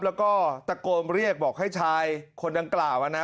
แล้วก็ตะโกนเรียกบอกให้ชายคนดังกล่าวนะ